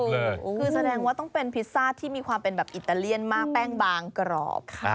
คือแสดงว่าต้องเป็นพิซซ่าที่มีความเป็นแบบอิตาเลียนมากแป้งบางกรอบค่ะ